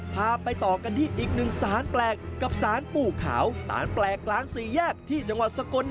พาไปต่อกันที่อีกหนึ่งสารแปลกกับสารปู่ขาว